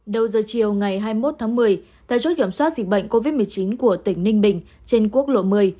đầu giờ chiều ngày hai mươi một tháng một mươi tại chốt kiểm soát dịch bệnh covid một mươi chín của tỉnh ninh bình trên quốc lộ một mươi